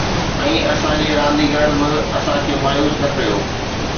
۽ اسان جي رانديگرن به اسان کي مايوس نه ڪيو